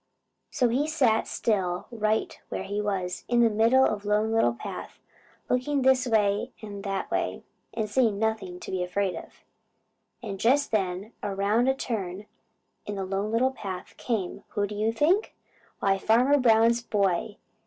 So he sat still right where he was, in the middle of the Lone Little Path, looking this way and that way, and seeing nothing to be afraid of. And just then around a turn in the Lone Little Path came who do you think? Why Farmer Brown's boy!